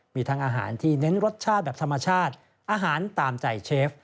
มีทั้งอาหารที่เน้นรสชาติแบบธรรมชาติอาหารตามใจเชฟ